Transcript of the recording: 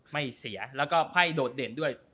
ไม่เสียแล้วก็ไพ่โดดเด่นด้วย